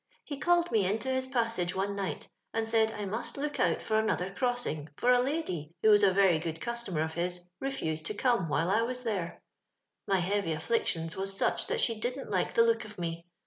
He called me into his passage one night, and said I must look out for another crossin', for a lady, who was a very good cus tomer of his, refused to come while I was there ; my heavy afflictions was such that she didn't like the look of me.